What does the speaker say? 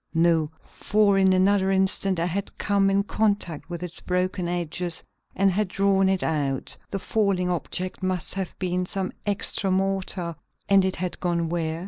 No, for in another instant I had come in contact with its broken edges and had drawn it out; the falling object must have been some extra mortar, and it had gone where?